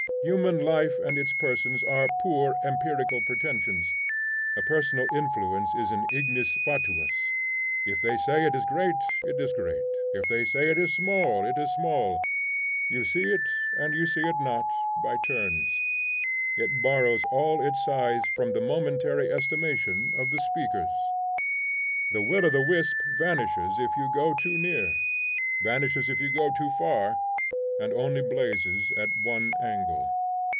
Human life and its persons are poor empirical pretensions. A personal influence is an ignis fatuus. If they say it is great, it is great; if they say it is small, it is small; you see it, and you see it not, by turns; it borrows all its size from the momentary estimation of the speakers: the Will of the wisp vanishes if you go too near, vanishes if you go too far, and only blazes at one angle.